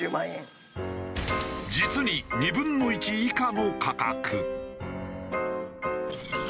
実に２分の１以下の価格。